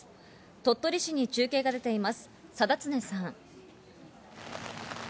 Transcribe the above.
鳥取市に中継が出ています、定常さん。